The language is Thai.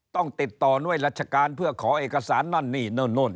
ต้องติดต่อหน่วยราชการเพื่อขอเอกสารนั่นนี่นู่น